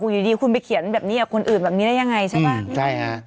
อยู่ดีคุณไปเขียนแบบนี้กับคนอื่นแบบนี้ได้ยังไงใช่ป่ะใช่ฮะ